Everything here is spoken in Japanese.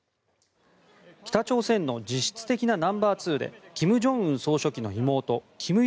北朝鮮の実質的なナンバーツーで金正恩総書記の妹金与